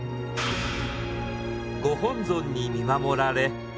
ご本尊に見守られ